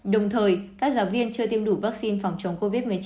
đồng thời các giáo viên chưa tiêm đủ vaccine phòng chống covid một mươi chín